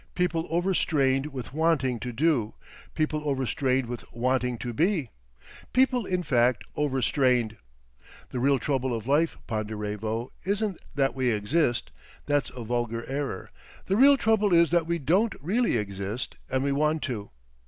People overstrained with wanting to do, people overstrained with wanting to be.... People, in fact, overstrained.... The real trouble of life, Ponderevo, isn't that we exist—that's a vulgar error; the real trouble is that we don't really exist and we want to.